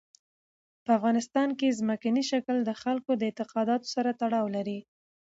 په افغانستان کې ځمکنی شکل د خلکو د اعتقاداتو سره تړاو لري.